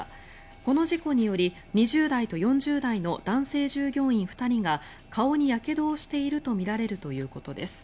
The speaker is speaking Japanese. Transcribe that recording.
この事故により２０代と４０代の男性従業員２人が顔にやけどをしているとみられるということです。